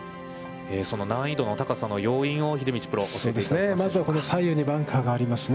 その難易度の高さの要因を、秀道プロ、教えていただけますか。